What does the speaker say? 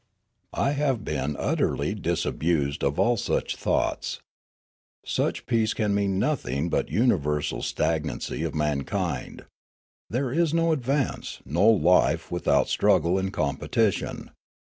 " I have been utterly disabused of all such thoughts. Such peace can mean nothing but universal stagnancy of mankind. There is no advance, no life without struggle and competition.